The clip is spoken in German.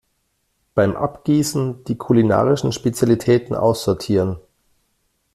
Beim Abgießen die kulinarischen Spezialitäten aussortieren.